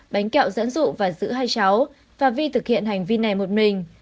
bánh kẹo dẫn dụ và giữ hai cháu và vi thực hiện hành vi này một mình